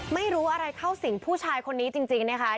ไม่รู้อะไรเข้าสิ่งผู้ชายคนนี้จริงนะคะ